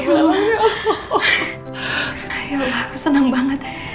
ayolah aku senang banget